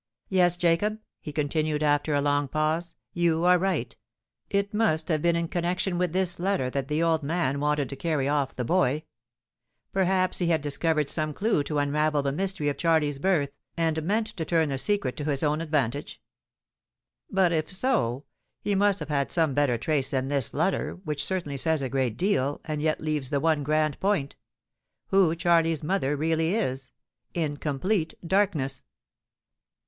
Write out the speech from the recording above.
"Yes, Jacob," he continued, after a long pause, "you are right. It must have been in connexion with this letter that the old man wanted to carry off the boy. Perhaps he had discovered some clue to unravel the mystery of Charley's birth, and meant to turn the secret to his own advantage? But, if so, he must have had some better trace than this letter, which certainly says a great deal, and yet leaves the one grand point—who Charley's mother really is—in complete darkness!